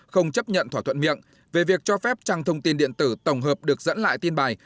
không chấp nhận thỏa thuận miệng về việc cho phép trang thông tin điện tử tổng hợp được dẫn lại tin bài